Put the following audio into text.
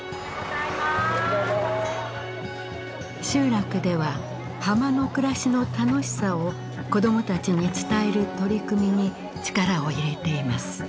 集落では浜の暮らしの楽しさを子どもたちに伝える取り組みに力を入れています。